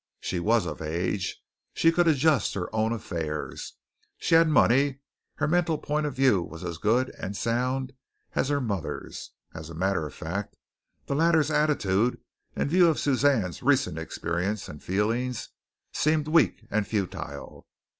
She was of age. She could adjust her own affairs. She had money. Her mental point of view was as good and sound as her mother's. As a matter of fact, the latter's attitude, in view of Suzanne's recent experience and feelings, seemed weak and futile.